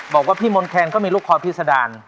บอกว่าพี่มนต์แคนก็มีลูกคอพิษดาร